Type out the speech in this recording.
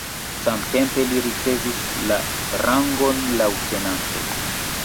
Samtempe li ricevis la rangon leŭtenanto.